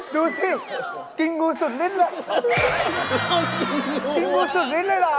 ดูสิกินงูสุดริด